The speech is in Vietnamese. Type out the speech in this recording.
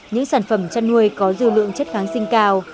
những sản phẩm chăn nuôi có dư lượng chất kháng sinh cao